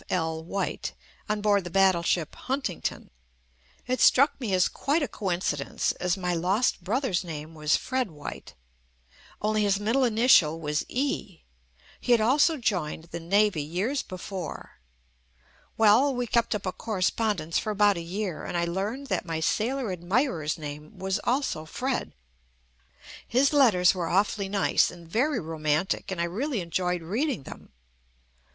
L. White on board the Battleship "Huntington." It struck me as quite a coincidence, as my lost brother's name was Fred White, only his mid dle initial was E. He had also joined the Navy years before. Well, we kept up a cor respondence for about a year, and I learned that my sailor admirer's name was also Fred. His letters were awfully nice and very roman tic, and I really enjoyed reading them.